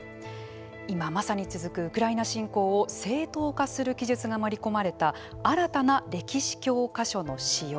今まさに続くウクライナ侵攻を正当化する記述が盛り込まれた新たな歴史教科書の使用。